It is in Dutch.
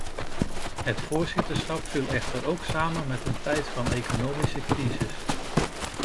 Het voorzitterschap viel echter ook samen met een tijd van economische crisis.